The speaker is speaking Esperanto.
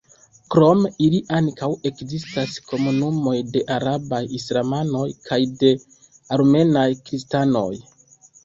Krom ili ankaŭ ekzistas komunumoj de arabaj islamanoj kaj de armenaj kristanoj.